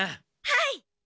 はい！